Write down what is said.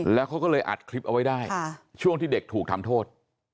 แล้วเขาก็เลยอัดคลิปเอาไว้ได้ช่วงที่เด็กถูกทำโทษ